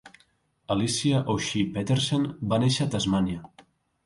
Alicia O'Shea Petersen va néixer a Tasmània.